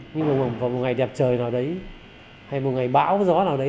nhưng mà vào một ngày đẹp trời nào đấy hay một ngày bão gió nào đấy